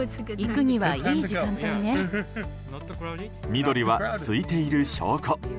緑は空いている証拠。